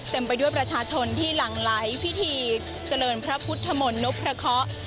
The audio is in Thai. ไปด้วยประชาชนที่หลั่งไหลพิธีเจริญพระพุทธมนต์นพพระเคาะ